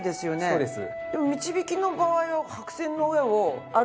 そうです。